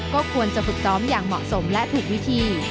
ก็ควรจะฝึกซ้อมอย่างเหมาะสมและถูกวิธี